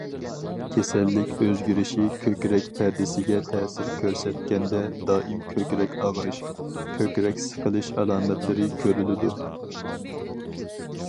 كېسەللىك ئۆزگىرىشى كۆكرەك پەردىسىگە تەسىر كۆرسەتكەندە، دائىم كۆكرەك ئاغرىش، كۆكرەك سىقىلىش ئالامەتلىرى كۆرۈلىدۇ.